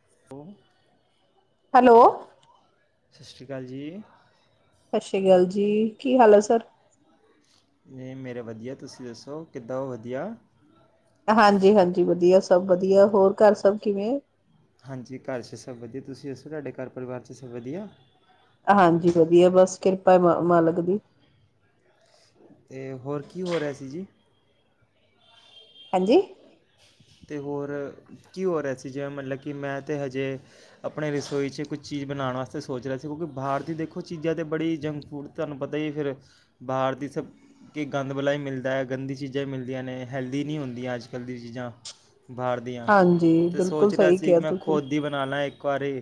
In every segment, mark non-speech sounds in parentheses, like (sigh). (unintelligible) Hello, ਸਤਿ ਸ਼੍ਰੀ ਅਕਾਲ ਜੀ, ਸਤਿ ਸ਼੍ਰੀ ਅਕਾਲ ਜੀ ਕੀ ਹਾਲ ਹੈ ਸਰ? ਨਹੀਂ ਮੇਰਾ ਵਧੀਆ ਤੁਸੀਂ ਦੱਸੋ ਕਿੱਦਾਂ ਉਹ ਵਧੀਆ, ਹਾਂਜੀ-ਹਾਂਜੀ ਵਧੀਆ ਸ ਸਭ ਵਧੀਆ ਹੋਰ ਘਰ ਸਭ ਕਿਵੇਂ ਹਾਂਜੀ ਘਰ 'ਚ ਸਭ ਵਧੀਆ ਤੁਸੀਂ ਦੱਸੋ ਤੁਹਾਡੇ ਘਰ ਪਰਿਵਾਰ 'ਚ ਸਭ ਵਧੀਆ। ਹਾਂਜੀ, ਵਧੀਆ ਬਸ, ਕਿਰਪਾ ਮਾਲਕ ਦੀ। ਅਤੇ ਹੋਰ ਕੀ ਹੋ ਰਿਹਾ ਸੀ, ਜੀ। ਹਾਂਜੀ। ਅਤੇ ਹੋਰ ਕੀ ਹੋ ਰਿਹਾ ਸੀ, ਜਿਵੇਂ ਮਤਲਬ ਕਿ ਮੈਂ ਤਾਂ ਹਜੇ, ਆਪਣੇ ਰਸੋਈ 'ਚ ਕੁਛ ਚੀਜ਼ ਬਣਾਉਣ ਵਾਸਤੇ ਸੋਚ ਰਿਹਾ ਸੀ, ਕਿਉਂਕਿ ਬਾਹਰ ਦੀ ਦੇਖੋ ਚੀਜ਼ਾਂ ਤਾਂ ਬੜੀ ਜੰਕ ਫੂਡ, ਤੁਹਾਨੂੰ ਪਤਾ ਹੀ ਫਿਰ ਬਾਹਰ ਦੀ ਸਭ ਕਿ ਗੰਦ ਵਾਲਲਾ ਹੀ ਮਿਲਦਾ ਹੈ, ਗੰਦੀ ਚੀਜ਼ਾਂ ਹੀ ਮਿਲਦੀਆਂ ਨੇ, ਹੈਲਥੀ ਨਹੀਂ ਹੁੰਦੀਆਂ ਅੱਜ ਕੱਲ੍ਹ ਦੀ ਚੀਜ਼ਾਂ। ਬਾਹਰ ਦੀਆਂ ਹਾਂਜੀ, ਅਤੇ ਬਿਲਕੁਲ ਸੋਚ ਰਿਹਾ ਸਹੀ ਸੀ, ਕਿ ਕਿਹਾ ਮੈਂ ਤੁਸੀਂ, ਖੁਦ ਹੀ ਬਣਾ ਲੈਂ ਇੱਕ ਸਾਰੇ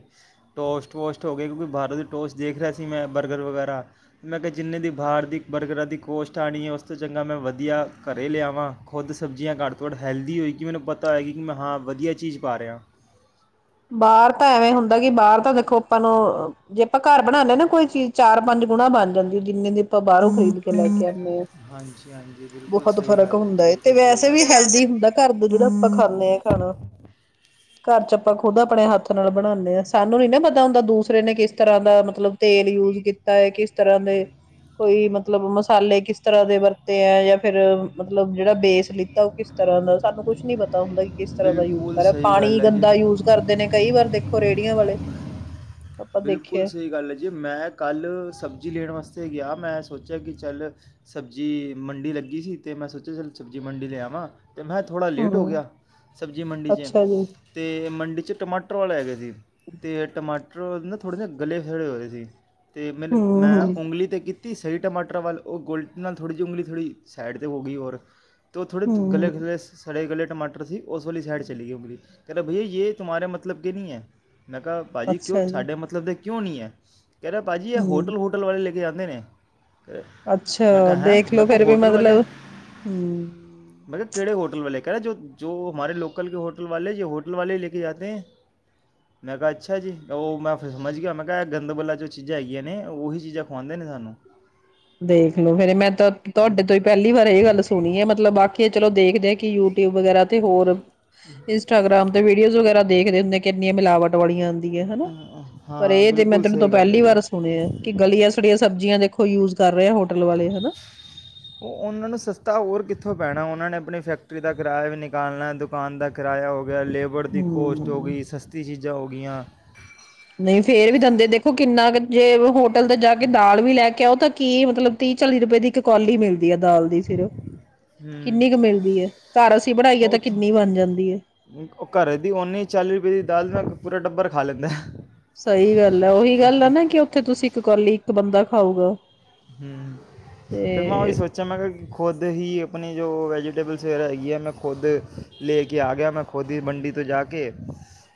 ਟੋਸਟ ਵੋਸਟ ਹੋ ਗਏ, ਕਿਉਂਕਿ ਬਾਹਰੋਂ ਦੀ ਟੋਸਟ ਦੇਖ ਰਿਹਾ ਸੀ, ਮੈਂ ਬਰਗਰ ਵਗੈਰਾ ਮੈਂ ਕਿਹਾ ਜਿੰਨੇ ਦੀ ਬਾਹਰ ਦੀ ਬਰਗਰਾਂ ਦੀ ਕੋਸਟ ਆਉਣੀ ਹੈ, ਉਸ ਤੋਂ ਚੰਗਾ ਮੈਂ ਵਧੀਆ ਘਰ ਲਿਆਵਾਂ, ਖੁਦ ਸਬਜ਼ੀਆਂ ਘੱਟ ਤੋਂ ਘੱਟ ਹੈਲਥੀ ਕਿ ਮੈਨੂੰ ਪਤਾ ਹੈ, ਕਿ ਕੀ ਮੈਂ ਹਾਂ, ਵਧੀਆ ਚੀਜ਼ ਪਾ ਰਿਹਾ। ਬਾਹਰ ਤਾਂ ਐਵੇਂ ਹੁੰਦਾ ਕਿ ਬਾਹਰ ਤਾਂ ਦੇਖੋ, ਆਪਾਂ ਨੂੰ ਜੇ ਆਪਾਂ ਘਰ ਬਣਾਦੇ ਦ ਨਾ ਕੋਈ ਚੀਜ਼ ਚਾਰ ਪੰਜ ਗੁਣਾ ਬਣ ਜਾਂਦੀ, ਜਿੰਨੇ ਦੀ ਆਪਾਂ ਬਾਹਰੋਂ ਖਰੀਦ ਕੇ ਲੈ ਕੇ ਆਦੇ ਆਾਂ, ਹਾਂਜੀ ਹਾਂਜੀ ਬਿਲਕੁਲ ਬਹੁਤ ਸਹੀ ਫ਼ਰਕ ਗੱਲ ਹੁੰਦਾ ਜੀ ਹੈ ਤੇ ਬਿਲਕੁਲ ਸਹੀ ਵੈਸੇ ਵੀ ਗੱਲ ਹੈ ਹੈਲਥੀ ਹੁੰਦਾ, ਘਰ ਦਾ ਜਿਹੜਾ ਆਪਾਂ ਖਾਂਦੇ ਹਾਂ, ਖਾਣਾ ਘਰ ਚ ਆਪਾ ਖੁਦ ਆਪਣੇ ਹੱਥ ਨਾਲ ਬਣਾਦੇ ਹਾਂ, ਸਾਨੂੰ ਨੀ ਨਾ ਪਤਾ ਹੁੰਦਾ, ਦੂਸਰੇ ਨੇ ਕਿਸ ਤਰ੍ਹਾਂ ਦਾ ਮਤਲਬ ਤੇਲ ਯੂਜ ਕੀਤਾ ਹੈ, ਕਿਸ ਤਰ੍ਹਾਂ ਦੇ ਕੋਈ ਮਤਲਬ ਮਸਾਲੇ, ਕਿਸ ਤਰ੍ਹਾਂ ਦੇ ਵਰਤੇ ਹੈ ਜਾਂ ਫੇਰ ਮਤਲਬ ਜਿਹੜਾ ਬੇਸ ਲਿੱਤਾ ਉਹ ਕਿਸ ਤਰ੍ਹਾਂ ਦਾ ਸਾਨੂੰ ਕੁਛ ਨੀ ਪਤਾ ਹੁੰਦਾ। ਕਿਸ ਤਰ੍ਹਾਂ ਦਾ ਯੂਜ ਬਿਲਕੁਲ ਕਰਹਾ, ਸਹੀ ਗੱਲ ਪਾਣੀ ਹੈ ਜੀ ਗੰਦਾ ਯੂਜ ਤੇ ਕਈ ਵਾਰ ਦੇਖੋ, ਰੇਹੜੀ ਵਾਲੇ ਆਪਾਂ ਬਿਲਕੁਲ ਦੇਖਿਆ ਸਹੀ ਗੱਲ ਹੈ ਜੀ, ਮੈਂ ਕੱਲ੍ਹ ਸਬਜ਼ੀ ਲੈਣ ਵਾਸਤੇ ਗਿਆ। ਮੈਂ ਸੋਚਿਆ ਕਿ ਚੱਲ ਸਬਜ਼ੀ ਮੰਡੀ ਲੱਗੀ ਸੀ, ਤੇ ਮੈਂ ਸੋਚਿਆ ਚੱਲ ਸਬਜ਼ੀ ਮੰਡੀ ਲਿਆਵਾਂ। ਤੇ ਮੈਂ ਥੋੜਾ ਲੇਟ ਹੋ ਹਮ ਗਿਆ, ਸਬਜ਼ੀ ਮੰਡੀ ਚ ਅੱਛਾ ਜੀ ਤੇ ਮੰਡੀ ਟਮਾਟਰ ਵਾਲੇ ਹੈਗੇ ਸੀ। ਅਤੇ ਟਮਾਟਰ। ਪਰਵਲ ਨਾ ਥੋੜੇ ਜੇਹੇ ਗਲੇ ਸੜੇ ਹੋਏ ਸੀ। ਅਤੇ ਮੈਨੂੰ ਹਮ ਮੈਂ ਹਮ ਉਂਗਲੀ 'ਤੇ ਕੀਤੀ। ਅੱਧ ਸਹੀ ਟਮਾਟਰ ਵੱਲ ਉਹ ਗੋਲ ਨਾਲ ਥੋੜ੍ਹੀ ਜਿਹੀ ਉਂਗਲੀ ਥੋੜ੍ਹੀ ਸਾਈਡ ਤੇ ਹੋ ਗਈ, ਔਰ ਅਤੇ ਉਹ ਥੜੇ ਗਲੇ, ਹਮ ਗਲੇ ਸਾਰੇੇ ਗਲੇ ਟਮਾਟਰ ਸੀ। ਉਸ ਵਾਲੀ ਸਾਈਡ ਚਲੀ ਗਈ ਹੋਗੀ। (unintelligible) ਨਾ ਕਿਹਾ ਭਾਜੀ ਕਿਉ। ਅੱਛਾ ਜੀ ਸਾਡੇ ਮਤਲਬ ਦੇ ਕਿਉਂ ਨਹੀਂ ਹੈ। ਕਹਿ ਰਿਹੇ ਭਾਜੀ ਇਹ ਹਮ ਹੋਟਲ ਹਾਟਲ ਵਾਲੇ ਆਦੇ ਨੇ। ਕਹਿ- ਮੈਂ ਅੱਛਾ, ਕਿਹਾ ਹੈਂ ਮੈਂ ਦੇਖਲੋ ਕਿਹਾ ਫਿਰ ਵੀ ਮਤਲਬ ਹੂੰ। ਕਿਹੜੇ ਹੋਟਲ ਵਾਲੇ ਕਹਿ ਕਿ ਜੋ ਹਮਾਰੇ ਲੋਕਲ ਕੇ ਹੋਟਲ ਵਾਲੇ, ਜੇ ਹੋਟਲ ਵਾਲੇ ਲੈ ਕੇ ਜਾਤੇ ਹੈ ਮੈਂ ਕਿਹਾ, ਅੱਛਾ ਜੀ। ਉਹ ਮੈਂ ਸਮਝ ਗਿਆ, ਮੈਂ ਕਿਹਾ ਗੰਦਬਲਾ ਜੋ ਚੀਜ਼ਾਂ ਹੈਗੀਆਂ ਨੇ, ਉਹੀ ਚੀਜ਼ਾਂ ਖਵਾਉਂਦੇ ਨੇ, ਸਾਨੂੰ ਦੇਖਲੋ ਫੇਰ ਮੈਂ ਤਾਂ ਤੁਹਾਡੇ ਤੋਂ ਹੀ ਪਹਿਲੀ ਵਾਰ ਇਹ ਗੱਲ ਸੁਣੀ ਹੈ, ਮਤਲਬ ਬਾਕੀ ਚਲੋ ਦੇਖਦੇ। ਕਿ ਯੂਟਿਊਬ ਵਗੈਰਾ ਤੇ ਹੋਰ ਇੰਸਟਾਗ੍ਰਾਮ ਤੇ ਵੀਡੀਓਜ਼ ਵਗੈਰਾ ਦੇਖਦੇ ਹੁੰਦੇ ਆ ਕਿੰਨੀਆਂ ਮਿਲਾਵਟ ਵਾਲੀਆਂ ਹਨਾ ਪਰ ਹਾਂ ਇਹ ਜੇ ਮੈਂ ਬਿਲਕੁਲ ਤੈਨੂੰ ਤੋਂ ਸਹੀ ਗੱਲ ਹੈ ਪਹਿਲੀ ਜੀ ਵਾਰ ਸੁਣਿਆ ਕਿ ਗਲੀਆਂ ਸੜੀਆਂ ਸਬਜ਼ੀਆਂ ਦੇਖੋ ਯੂਜ ਕਰ ਰਹੇ ਆ ਹੋਟਲ ਵਾਲੇ ਹਨਾ ਉਹ ਉਹਨਾਂ ਨੂੰ ਸਸਤਾ ਹੋਰ ਕਿੱਥੋਂ ਪੈਣਾ ਉਹ ਉਹਨਾਂ ਨੇ ਆਪਣੀ ਫੈਕਟਰੀ ਦਾ ਕਿਰਾਇਆ ਵੀ ਨਿਕਾਲਣਾ ਦੁਕਾਨ ਦਾ ਕਿਰਾਇਆ ਹੋ ਗਿਆ। ਗਿਆ ਲੇਬਰ ਦੀ ਕੋਸਟ ਹੋ ਹਮ ਗਈ ਸਸਤੀ ਚੀਜ਼ਾਂ ਹੋ ਗਈਆਂ। ਨਹੀਂ ਫੇਰ ਵੀ ਦਿੰਦੇ ਦੇਖੋ ਕਿੰਨਾ ਕਿਥੇ ਹੋ ਤੇ ਜਾ ਕੇ ਦਾਲ ਵੀ ਲੈ ਕੇ ਆਓ ਤਾਂ ਕੀ ਮਤਲਬ ਤੀਹ ਚਾਲੀ ਰੁਪਏ ਦੀ ਇੱਕ ਕੌਲੀ ਮਿਲਦੀ ਹੈ ਦਾਲ ਦੀ ਸਿਰਫ ਹੂੰ ਕਿੰਨੀ ਕੁ ਮਿਲਦੀ ਹੈ ਘਰ ਅਸੀਂ ਬਣਾਈਏ ਤਾਂ ਕਿੰਨੀ ਬਣ ਜਾਂਦੀ ਹੈ ਉਥੋ ਘਰੇ ਦੀ ਓਨੀ ਚਾਲੀ ਰੁਪਏ ਦੀ ਦਾਲ ਨਾਲ ਪੂਰਾ ਟੱਬਰ ਖਾ ਲੈਂਦਾ ਏ। ਸਹੀ ਗੱਲ ਹੈ ਉਹੀ ਗੱਲ ਹੈ ਨਾ ਕਿ ਉੱਥੇ ਤੁਸੀਂ ਇੱਕ ਕੌਲੀ ਇੱਕ ਬੰਦਾ ਖਾਊਗਾ। ਹੂੰ ਤੇ ਮੈਂ ਉਹੀ ਸੋਚਿਆ ਮੈਂ ਕਿ ਖੁਦ ਹੀ ਆਪਣੀ ਜੋ ਵੈਜਟੇਬਲਸ ਵਗੈਰਾ ਹੈਗੀ ਹੈ ਮੈਂ ਖੁਦ ਲੈ ਕੇ ਆ ਗਿਆ ਮੈਂ ਖੁਦ ਹੀ ਮੰੰਡੀ ਤੋਂ ਜਾ ਕੇ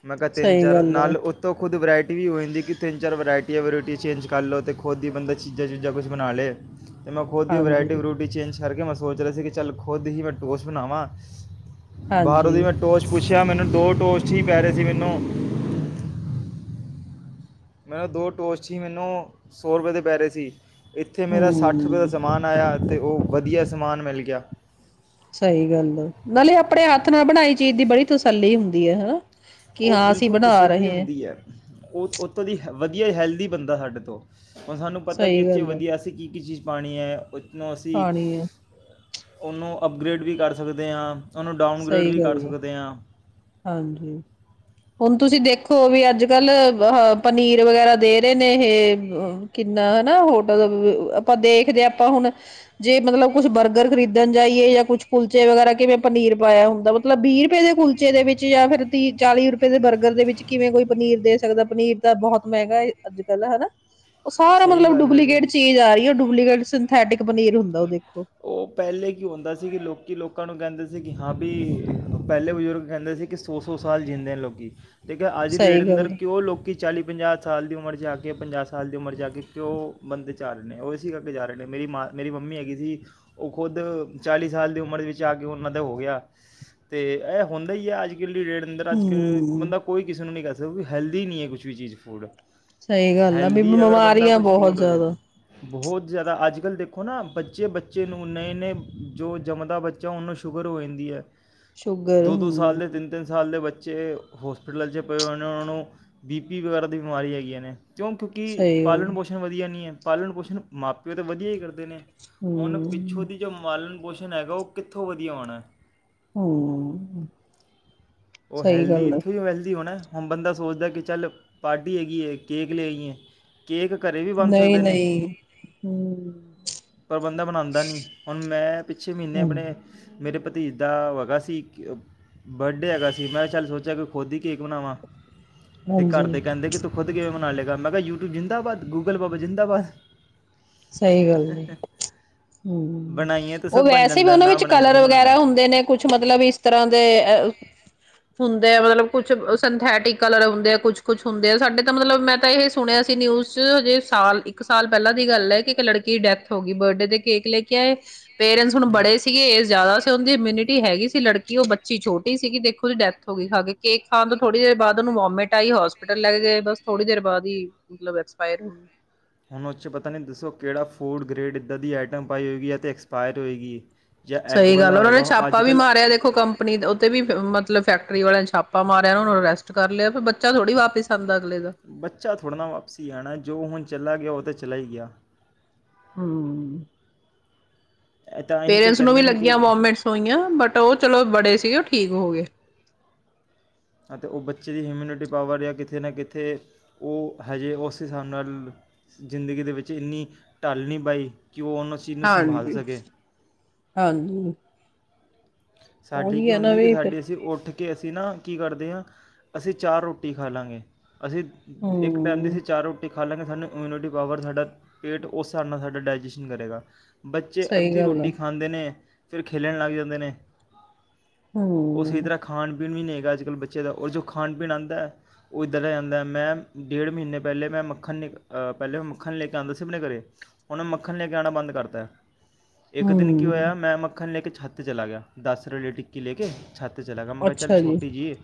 ਮੈਂ ਕਿਹਾ ਤਿੰਨ ਸਹੀ ਚਾਰ ਗੱਲ ਹੈ ਨਾਲ ਉੱਤੋਂ ਖੁਦ ਵਿਰਾਇਟੀ ਇਹ ਹੋ ਜਾਂਦੀ ਕਿ ਤਿੰਨ ਚਾਰ ਵਿਰਾਇਟੀਆਂ ਵਰਾਇਟੀਆਂ ਚੇਜ ਕਰ ਲੋ ਤੇ ਖੁਦ ਹੀ ਬੰਦਾ ਚੀਜ਼ਾਂ ਚੁਜਾ ਕੁਝ ਬਣਾ ਲਏ। ਤੇ ਮੈ ਖੁਦ ਦੀ ਹਾਂਜੀ ਵਿਰਾਇਟੀ ਵਰੂਟੀ ਚੇਂਜ ਕਰਕੇ ਮੈ ਸੋਚ ਰਿਹਾ ਸੀ ਕਿ ਚੱਲ ਖੁਦ ਹੀ ਮੈਂ ਟੋਸ ਬਣਾਵਾਂ। ਬਾਹਰੌ ਹਾਂਜੀ ਦੀ ਮੈਂ ਟੋਸਟ ਪੁੱਛ ਪੁਛਿਆ ਮੈਨੂੰ ਦੋ ਟੋਸਟ ਹੀ ਪੈ ਰਹੇ ਸੀ ਮੈਨੂੰ ਮੈ ਦੋ ਟੋਸਟ ਹੀ ਮੈਨੂੰ ਸੌ ਰੁਪਏ ਦੇ ਪੈ ਰਹੇ ਸੀ। ਇੱਥੇ ਮੇਰਾ ਸੱਠ ਰੁਪਏ ਦਾ ਹਮ ਸਮਾਨ ਆਇਆ ਅਤੇ ਉਹ ਵਧੀਆ ਸਮਾਨ ਮਿਲ ਗਿਆ। ਸਹੀ ਗੱਲ ਆ। ਨਾਲੇ ਆਪਣੇ ਹੱਥ ਨਾਲ ਬਣਾਈ ਚੀਜ਼ ਦੀ ਬੜੀ ਤਸੱਲੀ ਹੁੰਦੀ ਹੈ ਹਨਾ। ਕਿ ਉਹ ਹਾਂ ਅਸੀਂ ਬਿਲਕੁਲ ਬਣਾ ਤਸੱਲੀ ਰਹੇ ਹਾਂ ਹੁੰਦੀ ਹੈ ਉੱਤੋਂ ਦੀ ਵਧੀਆ ਹੈਲਦੀ ਬੰਦਾ ਸਾਡੇ ਤੋਂ ਹੁਣ ਸਾਨੂੰ ਪਤਾ ਕਿ ਸਹੀ ਇਸ ਚ ਗੱਲ ਹੈ ਵਧੀਆ ਅਸੀਂ ਕੀ-ਕੀ ਚੀਜ਼ ਪਾਣੀ ਹੈ ਨੌਸੀ ਖਾਣੀ ਹੈ ਉਹਨੂੰ ਅਪਗ੍ਰੇਡ ਵੀ ਕਰ ਸਕਦੇ ਹਾਂ। ਉਹਨੂੰ ਡਾਊਨਗ੍ਰੇਡ ਸਹੀ ਵੀ ਕਰ ਗੱਲ ਹੈ ਸਕਦੇ ਹਾਂ। ਹਾਂਜੀ ਹੁਣ ਤੁਸੀਂ ਦੇਖੋ, ਵੀ ਅੱਜ ਕੱਲ ਅ ਪਨੀਰ ਵਗੈਰਾ ਦੇ ਰਹੇ ਨੇ ਇਹ ਕਿੰਨਾ ਹਨਾ ਹੋਟਲ ਆਪਾਂ ਦੇਖਦੇ ਆਪਾਂ ਹੁਣ ਜੇ ਮਤਲਬ ਕੁਛ ਬਰਗਰ ਖਰੀਦਣ ਜਾਈਏ ਜਾਂ ਕੁਛ ਕੁਲਚੇ ਵਗੈਰਾ ਕਿਵੇਂ ਪਨੀਰ ਪਾਇਆ ਹੁੰਦਾ, ਮਤਲਬ ਵੀਹ ਰੁਪਏ ਦੇ ਕੁਲਚੇ ਦੇ ਵਿੱਚ ਜਾਂ ਫਿਰ ਤੀਹ ਚਾਲੀ ਰੁਪਏ ਦੇ ਬਰਗਰ ਦੇ ਵਿੱਚ ਕਿਵੇਂ ਕੋਈ ਪਨੀਰ ਦੇ ਸਕਦਾ ਪਨੀਰ ਤਾਂ ਬਹੁਤ ਮਹਿੰਗਾ ਹੈ। ਅੱਜ ਕੱਲ ਹਨਾ ਉਹ ਸਾਰਾ ਸਹੀ ਮਤਲਬ ਗੱਲ ਹੈ ਜੀ ਡੁਪਲੀਕੇਟ ਚੀਜ਼ ਆ ਰਹੀ ਹੈ, ਡੁਪਲੀਕੇਟ (unintelligible) ਓਥੈਟਿਕ ਉਹ ਪਹਿਲੇ ਕੀ ਹੁੰਦਾ ਸੀ। ਕਿ ਲੋਕੀ ਲੋਕਾਂ ਨੂੰ ਕਹਿੰਦੇ, ਕਿ, ਹਾਂ ਵੀ ਪਹਿਲੇ ਬਜ਼ੁਰਗ ਕਹਿੰਦੇ ਸੀ, ਕਿ ਸੌ ਸੌ ਸਾਲ ਜੀਉਂਦੇ ਨੇ ਲੋਕੀ ਦੇਖਿਆ, ਅੱਜ ਦੀ ਡੇਟ ਸਹੀ ਅੰਦਰ ਗੱਲ ਕਿਉਂ ਲੋਕੀ ਚਾਲੀ ਪੰਜਾਹ ਸਾਲ ਦੀ ਉਮਰ 'ਚ ਆ ਕੇ ਪੰਜਾਹ ਸਾਲ ਦੀ ਉਮਰ 'ਚ ਜਾ ਕੇ ਪਿਓ ਬੰਦੇ ਜਾ ਆ ਰਹੇ ਨੇ ਉਹ ਇਸ ਕਰਕੇ ਜਾ ਰਹੇ ਨੇ ਮੇਰੀ ਮਾਂ ਮੇਰੀ ਮੰਮੀ ਹੈਗੀ ਸੀ, ਉਹ ਖੁਦ ਚਾਲੀ ਸਾਲ ਦੀ ਉਮਰ ਵਿੱਚ ਆ ਕੇ ਉਹਨਾਂ ਦਾ ਹੋ ਗਿਆ ਅਤੇ ਇਹ ਹੁੰਦਾ ਹੀ ਹੈ, ਅੱਜ ੇ ਅੰਦਰ ਅੱਜ ਕਲ ਹਮ ਬੰਦਾ ਕੋਈ ਕਿਸੇ ਨੂੰ ਨਹੀਂ ਕਹਿ ਸਕਦਾ ਸਭ ਹ ਹੈਲਦੀ ਨਹੀਂ ਹੈ, ਕੁਛ ਵੀ ਚੀਜ਼ ਫੂਡ ਸਹੀ ਗੱਲ ਆ ਬਈ ਹੈਲਦੀ ਅਗਰ ਬੰਦਾ ਬਿਮਾਰੀਆਂ ਕੁਝ ਬਹੁਤ ਫੂਡ ਹੋਏ ਜਿਆਦਾ ਬਹੁਤ ਜ਼ਿਆਦਾ ਅੱਜ ਕੱਲ੍ਹ ਦੇ ਦੇਖੋ ਨਾ, ਬੱਚੇ ਬੱਚੇ ਨੂੰ ਨਵੇਂ ਨਂ ਜੋ ਜੰਮਦਾ ਬੱਚਾ ਉਹਨੂੰ ਸ਼ੂਗਰ ਹੋ ਜਾਂਦੀ ਹੈ। ਸ਼ੂਗਰ ਦੋ ਦੋ ਸਾਲ ਹਮ ਦੇ ਤਿੰਨ ਤਿੰਨ ਸਾਲ ਦੇ ਬੇ ਹੋਸਪਿਟਲ 'ਚ ਪਏ ਹੋਏ ਨੇ ਉਹਨਾਂ ਨੂੰ ਬੀ ਪੀ ਵਗੈਰਾ ਦੀ ਬਿਮਾਰੀ ਹੈਗੀਆਂ ਨੇ ਕਿਉਂ ਕਿਉਂਕਿ ਸਹੀ ਗੱਲ ਪਾਲਣ ਪੋਸ਼ਣ ਵਧੀਆ ਨਹੀਂ ਹੈ। ਪਾਲਣ ਪੋਸ਼ਣ ਮਾਂ ਪਿਓ ਤਾਂ ਵਧੀਆ ਹੀ ਕਰਦੇ ਦੇ ਨੇ ਹੁਣ ਪਿੱਛੋਂ ਹਮ ਦੀ ਜੋ ਮਾਲਣ ਪੋਸ਼ ਹੈਗਾ ਉਹ ਕਿੱਥੋਂ ਵਧੀਆ ਹੋਉਣਾ ਹੈ। ਹਮ ਉਹ ਸਹੀ ਹੈਲਦੀ, ਗੱਲ ਹੈ ਇੱਥੋਂ ਵੀ ਵੈਲਦੀ ਹੋ ਨਾ ਹੁਣ ਬੰਦਾ ਸੋਚਦਾ ਕਿ, ਚੱਲ ਪਾਰਟੀ ਹੈਗੀ ਹੈ ਕੇਕ ਲੈ ਆਈ ਹੈ ਕੇਕ ਘਰ ਵੀ ਬਣ ਨਹੀਂ ਸਕਦੇ ਨੇ ਨਹੀਂ ਪਰ ਬੰਦਾ ਬਣਾਉਂਦਾ ਨਹੀਂ, ਹੁਣ ਮੈਂ ਪਿੱਛੇ ਮਹੀਨੇ ਹਮ ਆਪਣੇ ਮੇਰੇ ਪਤੀ ਧੀਅਗਾਸੀ ਬਡੇ ਅਗਾਸੀ ਕੀ ਮੈਂ ਚੱਲਾਲ ਸੋਚਿਆ ਕਿ, ਖੁਦ ਹੀ ਕੇਕ ਬਣਾਵਾਂ ਤੇ ਘਰਦੇ ਹਾਂਜੀ ਕਹਿੰਦੇ ਕਿ ਤੂੰ ਖੁਦ ਕਿਵੇਂ ਮਨਾ ਲਏਗਾ, ਮੈਂ ਕਿਹਾ ਯੂਟਿਊਬ ਜ਼ਿੰਦਾਬਾਦ, ਗੂਗਲ ਬਾਬਾ ਜ਼ਿੰਦਾਬਾਦ ਸਹੀ ਗੱਲ ਆ ਹੂੰ, ਬਣਾਈਏ ਤਾਂ ਸਭ ਉਹ ਬਣ ਵੈਸੇ ਵੀ ਜਾਂਦਾ ਉਹਨਾਂ ਨਾ ਵਿੱਚ ਬਣਾਏ ਤਾਂ ਕਲਰ ਸਭ ਬਣਦਾ ਵਗੈਰਾ ਹੁੰਦੇ, ਨੇ ਕੁਛ ਮਤਲਬ ਇਸ ਤਰ੍ਹਾਂ ਦੇ ਅ ਹੁੰਦੇ ਆ ਮਤਲਬ ਕੁਛ ਸਿੰਥੈਟਿਕ ਕਲਰ ਹੁੰਦੇ ਆ ਕੁਛ ਕੁਛ ਹੁੰਦੇ ਆ ਸਾਡੇ ਤਾਂ ਮਤਲਬ ਮੈਂ ਤਾਂ ਇਹ ਸੁਣਿਆ ਸੀ ਨਿਊਜ਼ ਚ ਹਜੇ ਸਾਲ ਇੱਕ ਸਾਲ ਪਹਿਲਾਂ ਦੀ ਗੱਲ ਹੈ। ਇੱਕ ਲੜਕੀ ਦੀ ਡੈਥ ਹੋ ਗਈ ਬਰਡੇ ਦੇ ਕੇਕ ਲੈ ਕੇ ਆਏ ਪੇਰੈਂਟਸ ਹੁਣ ਹੂੰ ਬੜੇ ਸੀਗੇ ਇਜ ਜ਼ਿਆਦਾ ਦੀ ਇਮਿਊਨਿਟੀ ਹੈਗੀ ਸੀ, ਲੜਕੀ ਉਹ ਬੱਚੀ ਛੋਟੀ ਸੀਗੀ ਦੇਖੋ ਉਹਦੀ ਡੈਥ ਹੋ ਗਈ ਖਾ ਕੇਕ ਖਣ ਤੋਂ ਥੋੜੀ ਦੇਰ ਬਾਅਦਨੂੰ ਵਮਟ ਆਈ ਹੋਸਪਿਟਲ ਲੈ ਗਏ ਬ ਥੋੜੀ ਦੇਰ ਬਾਅਦ ਹੀ ਮਤਲਬ ਹੁਣ ਉਹ 'ਚ ਪਤਾ ਨਹੀਂ ਦੱਸੋ ਕਿਹੜਾ ਫੂਡ ਗ੍ਰੇਡ ਇੱਦਾਂ ਦੀ ਆਈਟਮ ਪਾਈ ਹੋਏਗੀ, ਅਤੇ ਐਕਸਪਾਇਰ ਹੋਏਗੀ। ਜਾਂ ਐਗ ਸਹੀ ਵਾਲਾ ਗੱਲ ਉਹਨਾਂ ਨੇ ਹੋਏਗਾ ਛਾਪਾ ਅੱਜ ਵੀ ਕੱਲ੍ਹ ਮਾਰਿਆ, ਦੇਖੋ ਕੰਪਨੀ ਉੱਤੇ ਵੀ ਮਤਲਬ ਫੈਕ ਕਰੀ ਵਾਲਿਆਂ ਛਾਪਾ ਮਾਰਿਆ ਉਹਨ ਨੂੰ ਰੈਸਟ ਕਰ ਲਿਆ ਫ ਬੱਚ ਥੋੜੀ ਵਾਪਿਸ ਆਉਦਾ ਬੱਚਾ ਥੋੜ੍ਹਾ ਨਾ ਵਾਪਸੀ ਆਣੇ। ਜੋ ਹੁਣ ਚਲਾ ਗਿਆ ਤੋਂ ਚੱਲਾ ਹੀ ਗਿਆ। ਹਮ। ਇਹ ਤਾਂ ਅਸੀਂ ਤਾਂ ਪੇਰੈਂਟਸ ਨੂੰ ਵੀ ਕਹਿੰਦੇ ਨੇ ਲੱਗੀਆਂ ਕਿ ਵੋਮੇੰਟ੍ਸ ਹੋਈਆਂ। ਬਟ ਉਹ ਚਲੋ ਬੜੇ ਤੇ ਉਹ ਠੀਕ ਹੋ ਗਏ। ਅਤੇ ਉਹ ਬੱਚੇ ਦੀ ਹਮਿਊਨਿਟੀ ਪਾਵਰ, ਜਾਂ ਕਿਤੇ ਨਾ ਕਿਤੇ ਉਹ ਹਜੇ ਉਸ ਹਿਸਾਬ ਨਾਲ, ਜ਼ਿੰਦਗੀ ਦੇ ਵਿੱਚ ਇੰਨੀ ਢੱਲ ਨਹੀਂ ਪਾਈ। ਕਿ ਉਹ ਉਹਨਾਂ ਚੀਜ਼ ਨੂੰ ਸੰਭਾਲ ਹਾਂਜੀ, ਸਕੇ ਹਾਂਜੀ। ਸਾਡੀ ਉਹੀ ਕੀ ਹੈ ਨਾ ਹੁੰਦੀ ਏ, ਕਿ ਵੀ ਫਿਰ ਸਾਡੀ ਅਸੀਂ ਉੱਠ ਕਿ ਅਸੀਂ ਨਾ ਕੀ ਕਰਦੇ ਹਾਂ, ਅਸੀਂ ਚਾਰ ਰੋਟੀ ਖਾ ਲਾਂਗੇ। ਅਸੀਂ ਇੱਕ ਟਾਈਮ ਦੀ ਸੀ ਹੂੰ ਚਾਰ ਰੋਟੀ। ਖਾ ਲਾਂਗੇ ਸਾਨੂੰ ਇਮਿਊਨਿਟੀ ਪਾਵਰ, ਸਾਡਾ ਪੇਟ ਉਸ ਹਿਸਾਬ ਨਾਲ ਸਾਡਾ ਡਾਇਜੈਸ਼ਨ ਕਰੇਗਾ। ਬੱਚੇ ਸਹੀ ਅੱਧੀ ਗੱਲ ਆ ਰੋਟੀ ਖਾਂਦੇ ਨੇ ਫਿਰ ਖੇਲਣ ਲੱਗ ਜਾਂਦੇ ਨੇ। ਉਸੀ ਹੂੰ ਤਰ੍ਹਾਂ ਖਾਣ ਪੀਣ ਵੀ ਨਹੀਂ ਤੇ ਅੱਜ ਕੱਲ ਬੱਚੇ ਦਾ ਉਹ ਜੋ ਖਾਣ-ਪੀਣ ਆਂਦੈ। ਉਹ ਇਧਾ ਦਾ ਹੀ ਆਂਦੈ। ਮੈਂ ਡੇਢ ਮਹੀਨੇ ਪਹਿਲੇ ਮੈਂ ਮੱਖਣ ਅ ਪਹਿਲੇ ਮੱਖਣ ਲੈ ਕੇ ਆਂਦਾ ਸੀ ਆਪਣੇ ਘਰੇ, ਹੁਣ ਮੱਖਣ ਲੈ ਕੇ ਆਣਾ ਬੰਦ ਕਰਤੈ। ਇੱਕ ਦਿਨ ਕੀ ਹੋਇਆ। ਹੂੰ ਮੈਂ ਮੱਖਣ ਲੈ ਕੇ ਚ ਹੱਥ ਤੇ ਚਲਾ ਗਿਆ। ਦਸ ਰੁਲੇ ਟਿੱਕੀ ਲੇ ਕੇ। ਛੱਤ ਤੇ ਚਲਾ ਗਿਆ। ਮੈਂ ਕਿਆ ਚੱਲ ਅੱਛਾ ਜੀ ਛੋਟੀ ਜਈ ਏ।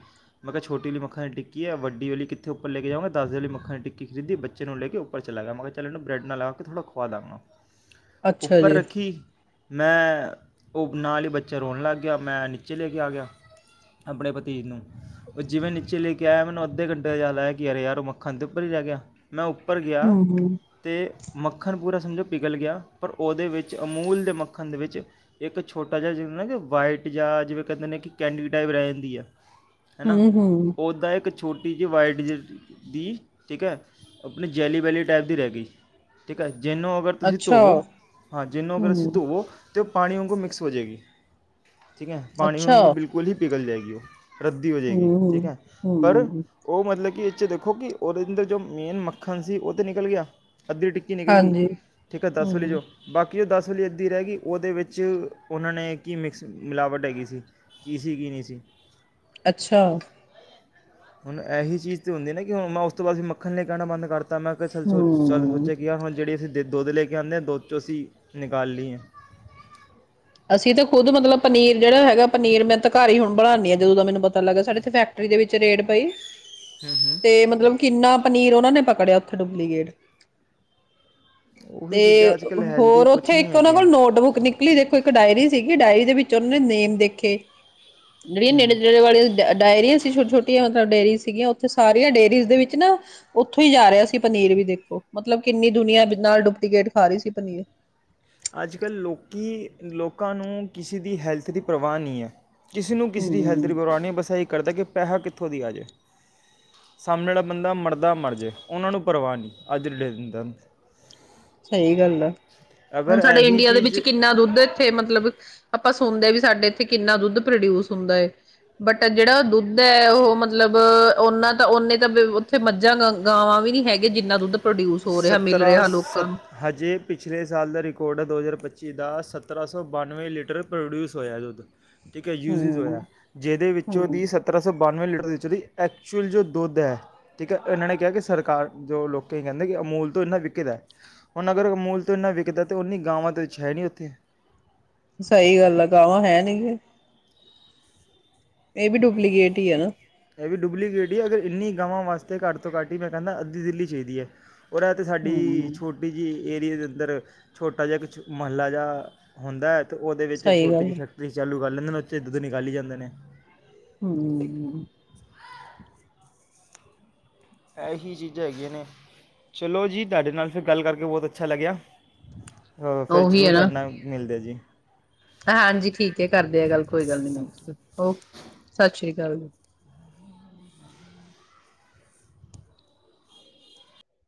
ਮੈਂ ਕਿਹਾ ਛੋਟੀ ਵਾਲੀ ਮੱਖਣ ਦੀ ਟਿੱਕੀ ਏ। ਵੱਡੀ ਵਾਲੀ ਕਿੱਥੇ ਉੱਪਰੈ ਕੇ ਜਾਵਾਂਗਾ। ਦਸ ਵਾਲੀ ਮੱਖਣ ਦੀ ਟਿੱਕੀ ਖਰੀਦੀ, ਬੱਚੇ ਨੂੰ ਲੈ ਕੇ ਉੱਪਰ ਚਲਾ ਗਿਆ। ਮੈਂ ਕਿਹਾੱ ਇਹਨੂੰ ਬ੍ਰੈਡ ਨਾਲ ਲਗਾ ਕੇ ਥੋੜਾ ਖਵਾਂ ਦਾਗਾਂ। ਅੱਛਾ ਉੱਪਰ ਜੀ ਰੱਖੀ। ਮੈਂ, ਉਹ ਨਾਲ ਹੀ ਬ ਬੱਚਾ ਰੋਣ ਲੱਗ ਗਿਆ। ਮੈਂ ਨੀਚੇ ਲੈ ਕੇ ਆ ਗਿਆ ਆਪਣੇ ਪਤੀਜ ਨੂੰ, ਉਹ ਜਿਵੇਂ ਨੀਚੇ ਲੈ ਕੇ ਆਇਆ ਮੈਨੂੰ ਅੱਧੇ ਘੰਟੇ ਬਾਅਦ ਯਾਦ ਕਿ ਅਰੇ ਯਾਰ ਉਹ ਮੱਖਣ ਦੇ ਉੱਪਰ ਹੀ ਰਹਿ ਗਿਆ। ਮੈਂ ਉੱਪਰ ਗਿਆ। ਹੂੰ ਹੂੰ ਤੇ ਮੱਖਣ ਪੂਰਾ ਸਮਝੋ ਪਿਘਲ ਗਿਆ। ਪਰ ਉਹਦੇ ਵਿੱਚ ਅਮੂਲ ਦੇ ਮੱਖਣ ਦੇ ਵਿੱਚ, ਇੱਕ ਛੋਟਾ ਜਿਹਾ ਜਿ ਮੈਂ ਕਿਆ ਵਾਈਟ ਜਾਂ ਜਿਵੇਂ ਕਹਿੰਦੇ ਨੇ, ਕਿ ਕੈਂਡੀ ਟਾਈਪ ਰਹਿ ਜਾਂਦੀ ਆ। ਹੈਂਨਾ, ਹੂੰ ਹੂੰ ਓਦਾਂ ਇੱਕ ਛੋਟੀ ਜਿਹੀ ਵਾਈਟ ਜੀ ਡੀ। ਠੀਕ ਹੈ, ਆਪਣੀ ਜੈਲੀ ਵੈਲੀ ਟਾਈਪ ਦੀ ਰਹਿ ਗਈ। ਠੀਕ ਹੈ। ਜੈਨੋ ਅਗਰ ਤੁਸੀਂ ਅੱਛਾ ਧੋਵੋ। ਹਾਂ, ਜੈਨੋ ਅਗਰ ਤੁਸੀਂ ਹੂੰ ਧੋਵੋ। ਜੋ ਪਾਣੀ ਵਾਂਗੂ ਮਿਕਸ ਹੋ ਜਾਏਗੀ। ਠੀਕ ਹੈ, ਪਾਣੀ ਅੱਛਾ ਵਾਂਗੂ ਬਿਲਕੁਲ ਹੀ ਪਿਘਲ ਜਾਏਗੀ। ਵੀਓ। ਰੱਦੀ ਹੋ ਜਾਇਗੀ। ਹੂੰ ਠੀਕ ਹੂੰ ਹੈ, ਪਰ ਹੂੰ ਉਹ ਮਤਲਬ ਕਿ ਇਸ ਚ ਦੇਖੋ ਕਿ, ਉਹਦੇ ਅੰਦਰ ਜੋ ਮੇਨ ਮੱਖਣ ਸੀ ਉਹ ਤੇ ਨਿਕਲ ਗਿਆ। ਅੱਧੀ ਟਿੱਕੀ ਨਿਕਲ ਗਈ। ਹਾਂਜੀ ਠੀਕ ਹੈ, ਦਸ ਆਲੀ ਹੂੰ ਚੋ ਬਾਕੀ ਕਿ ਉਹ ਦਸ ਵਾਲੀ ਅੱਧੀ ਰਹਿ ਗਈ ਉਹਦੇ ਵਿੱਚ ਉਹਨਾਂ ਨੇ ਕੀ ਮਿਕਸ ਮਿਲਾਵਟ ਹੈਗੀ ਸੀ ਕੀ ਸੀ ਕੀ ਨਹੀਂ ਸੀ ਅੱਛਾ। ਹੁਣ ਇਹੀ ਚੀਜ਼ ਤੇ ਹੁੰਦੀ ਨਾ ਕਿ ਮੈਂ ਉਸ ਤੋਂ ਬਾਅਦ ਮੱਖਣ ਲਈ ਕਹਿਣਾ ਬੰਦ ਕਰਤਾ ਤਾਂ ਮੈਂ ਕਿਹਾ ਚੱਲ ਸੋਚ ਚੱਲ ਹੂੰ ਸੋਚਿਆ ਕਿ ਜਿਹੜੀ ਅਸੀਂ- ਅਤੇ ਦੁੱਧ ਲੈ ਕੇ ਆਉਂਦੇ ਦੁੱਧ 'ਚ ਅਸੀਂ ਨਿਕਾਲ ਲਈਏ ਅਸੀਂ ਤਾਂ ਖੁਦ ਮਤਲਬ ਪਨੀਰ ਜਿਹੜਾ ਹੈਗਾ ਪਨੀਰ ਮੈਂ ਤਾਂ ਘਰ ਹੀ ਹੁਣ ਬਣਾਨੀ ਆ ਜਦੋਂ ਦਾ ਮੈਨੂੰ ਪਤਾ ਲੱਗਾ ਸਾਡੇ ਫੈਕਟਰੀ ਦੇ ਵਿੱਚ ਰੇਡ ਪਈ ਹੂੰ ਤੇ ਮਤਲਬ ਕਿੰਨਾ ਪਨੀਰ ਉਹਨਾਂ ਨੇ ਪਕੜਿਆ ਉੱਥੇ ਡੁਪਲੀਕੇਟ ਤੇ ਉਹੀ ਚੀਜ਼ਾਂ ਅੱਜ ਕੱਲ੍ਹ ਹੈਲਦੀ ਹੋਰ ਕੁਛ ਉੱਥੇ ਨਹੀਂ ਇੱਕ ਉਹਨਾਂ ਹੈਗੀਆਂ ਕੋਲ ਨੋਟਬੁੱਕ ਨਿਕਲੀ ਜਿਸ ਤੇ ਇੱਕ ਡਾਇਰੀ ਸੀ ਡਾਇਰੀ ਦੇ ਵਿੱਚ ਉਹਨਾਂ ਨੇਮ ਦੇਖੇ ਜਿਹੜੀਆਂ ਹੂੰ ਨੇੜੇ-ਨੇੜੇ ਵਾਲੀਆਂ ਡਾਇਰੀਆਂ ਸੀ ਛੋਟੀਆਂ-ਛੋਟੀਆਂ ਸਾਡੇ ਡੇਅਰੀਜ਼ ਸੀਗੀਆਂ ਉੱਥੇ ਸਾਰੀਆਂ ਡੇਅਰੀਜ਼ ਦੇ ਵਿੱਚ ਨਾ ਉੱਥੋਂ ਹੀ ਜਾ ਰਿਹਾ ਸੀ ਪਨੀਰ ਵੀ ਦੇਖੋ। ਮਤਲਬ ਕਿੰਨੀ ਦੁਨੀਆਂ ਨਾਲ ਡੁਪਲੀਕੇਟ ਖਾ ਰਹੀ ਸੀ ਪਨੀਰ ਅੱਜ ਕੱਲ੍ਹ ਲੋਕੀ ਲੋਕਾਂ ਨੂੰ ਕਿਸੇ ਦੀ ਹੈਲਥ ਦੀ ਪਰਵਾਹ ਨਹੀਂ ਹੈ। ਕਿਸੇ ਨੂੰ ਕਿਸੇ ਦੀ ਹੈਲਥ ਹੂੰ ਰਿ ਨਹੀਂ ਬਸਾ ਇਹ ਕਰਦਾ ਕਿ ਪੈਸਾ ਕਿ- ਉਥੋਂ ਦੀ ਆ ਜਾਏ ਸਾਹਮਣੇ ਵਾਲਾ ਬੰਦਾ ਮਰਦਾ ਮਰ ਜੇ ਉਹਨਾਂ ਨੂੰ ਪਰਵਾਹ ਨਹੀਂ। ਅੱਜ ਦੀ ਡੇਟ ਅੰਦਰ ਸਹੀ ਗਲ ਏ। ਹੁਣ ਸਾਡੇ ਇਹੀ ਇੰਡੀਆ ਦੇ ਵਿੱਚ ਚੀਜ਼ ਕਿੰਨਾ ਦੁੱਧ ਇੱਥੇ ਮਤਲਬ ਆਪਾਂ ਸੁਣਦੇ ਵੀ ਸਾਡੇ ਇੱਥੇ ਕਿੰਨਾ ਦੁੱਧ ਪ੍ਰੋਡਿਊਸ ਹੁੰਦਾ ਹੈ ਬਟ ਜਿਹੜਾ ਦੁੱਧ ਹੈ ਉਹ ਮਤਲਬ ਓਨਾਂ ਤਾਂ ਓਨੇ ਤਾਂ ਉੱਥੇ ਮੱਝਾਂ ਗਾਵਾਂ ਵੀ ਨੀ ਹੈਗੀਆ ਜਿੰਨਾ ਦੁੱਧ ਪ੍ਰੋਡਿਊਸ ਹੋ ਰਿਹਾ ਮਿਲ ਰਿਹਾ ਲੋਕ ਸਤ ਹਜੇ ਪਿਛਲੇ ਸਾਲ ਦਾ ਰਿਕਾਰਡ ਹੈ ਦੋ ਹਜ਼ਾਰ ਪੱਚੀ ਦਾ ਸਤਰ੍ਹਾਂ ਸੌ ਬਾਨਵੇਂ ਲੀਟਰ ਪ੍ਰੋਡਿਊਸ ਹੋਇਆ ਦੁੱਧ ਠੀਕ ਹੈ ਯੂਜਜ਼ ਹੋਇਆ ਹੂੰ, ਜਿਹਦੇ ਵਿੱਚ ਦੀ ਹੂੰ ਸੱਤਰਾਂ ਸੌ ਬਾਨਵੇਂ ਲੀਟਰ ਐਕਚੁਅਲੀ ਐਚੁਲ ਚ ਜੋ ਦੁੱਧ ਹੈ ਠੀਕ ਹੈ ਇਹਨਾਂ ਨੇ ਕਿਹਾ ਕਿ ਸਰਕਾਰ ਜੋ ਲੋਕ ਕਹਿੰਦੇ ਕਹਿੰਦੇ ਕਿ ਅਮੂਲ ਤੋਂ ਇੰਨਾ ਵਿਕਦਾ ਹੁਣ ਅਗਰ ਅਮੂਲ ਤੋਂ ਇੰਨਾ ਵਿਕਦਾ ਤਾਂ ਉਨੀ ਗਾਵਾਂ ਦੇ ਵਿੱਚ ਹੈ ਨਹੀਂ ਉੱਥੇ ਸਹੀ ਗੱਲ ਆ ਗਾਵਾਂ ਹੈ ਨੀ ਇਹ ਵੀ ਡੁਪਲੀਕੇਟ ਹੀ ਆ ਇਹ ਵੀ ਡੁਪਲੀਕੇਟ ਹੀ ਅਗਰ ਇੰਨੀ ਗਾਵਾਂ ਵਾਸਤੇ ਘਟ ਤੋਂ ਘੱਟ ਹੀ ਮੈਂ ਕਹਿੰਦਾ ਅੱਧੀ ਦਿੱਲੀ ਚਾਹੀਦੀ ਹੈ। ਔਰ ਐਹ ਤੇ ਸਾਡੀ ਹੂੰ ਛੋਟੀ ਜਿਹੀ ਏਰੀਏ ਦੇ ਅੰਦਰ ਛੋਟਾ ਜਿਹਾ ਕੁਛ ਮਹੱਲਾ ਜਿਹਾ ਹੁੰਦਾ। ਅਤੇ ਉਹਦੇ ਵਿੱਚ ਇੱਕ ਸਹੀ ਛੋਟੀ ਜਿਹੀ ਗੱਲ ਫੈਕਟਰੀ ਚਾਲੂ ਕਰ ਲੈਂਦੇ ਨੇ ਬੱਚੇ ਦੁੱਧ ਨਿਕਾਲੀ ਜਾਂਦੇ ਨੇ ਹੂੰ ਇਹੀ ਚੀਜ਼ਾਂ ਹੈਗੀਆਂ ਨੇ ਚਲੋ ਜੀ ਤੁਹਾਡੇ ਨਾਲ ਫਿਰ ਗੱਲ ਕਰਕੇ ਬਹੁਤ ਅੱਛਾ ਲੱਗਿਆ। ਫਿਰ ਉਹੀ ਹੈ ਜ਼ਰੂਰ ਨਾ ਕੱਡਣਾ ਮਿਲਦੇ ਜੀ ਹਾਂਜੀ ਠੀਕ ਕਰਦੇ ਆ ਗੱਲ ਕੋਈ ਗੱਲ ਨੀ ਹਾਂਜੀ ਮੈਨੂੰ ਸਤਿ ਸ੍ਰੀ ਅਕਾਲ ਚੱਲ